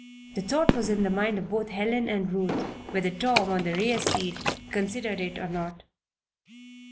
The thought was in the mind of both Helen and Ruth, whether Tom, on the rear seat, considered it or not.